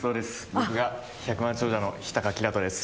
僕が百万長者の日高煌人です。